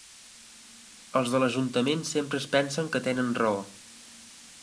Els de l'ajuntament sempre es pensen que tenen raó.